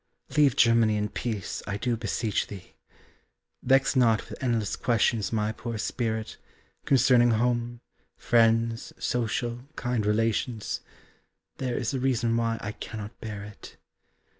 Leave Germany in peace, I do beseech thee, Vex not with endless questions my poor spirit Concerning home, friends, social, kind relations, There is a reason why I cannot bear it.